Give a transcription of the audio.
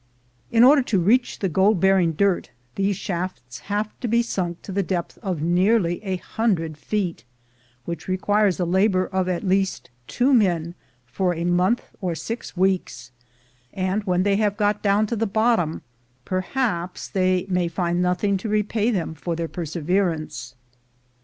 In order to reach the gold bearing dirt, these shafts have to be sunk to the depth of nearly a hundred feet, which requires the labor of at least two men for a month or six weeks; and when they have got down to the bottom, perhaps they may find nothing to repay them for their perseverance.